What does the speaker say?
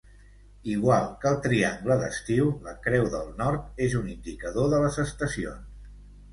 Igual que el Triangle d'estiu, la Creu del Nord és un indicador de les estacions.